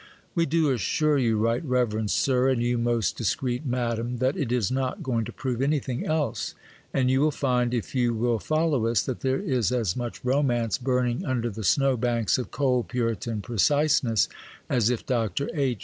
We do assure you, right reverend Sir, and you, most discreet Madam, that it is not going to prove anything else; and you will find, if you will follow us, that there is as much romance burning under the snow banks of cold Puritan preciseness as if Dr. H.